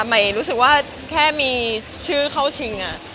หมายรู้สึกว่าแค่มีชื่อเข้าชิง